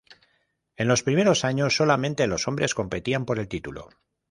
En los primeros años, solamente los hombres competían por el título.